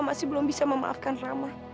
masih belum bisa memaafkan ramah